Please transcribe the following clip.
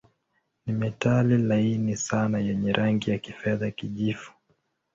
Ni metali laini sana yenye rangi ya kifedha-kijivu.